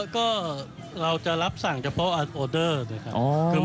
ก็เราจะรับสั่งเฉพาะออเดอร์เลยค่ะ